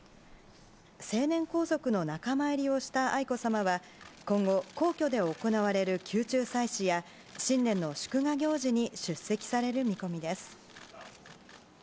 成年皇族の仲間入りをした愛子さまは今後、皇居で行われる宮中祭祀や新年の祝賀行事に出席される見込みです。